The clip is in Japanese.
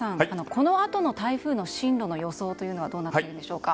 このあとの台風の進路の予想はどうなっているのでしょうか？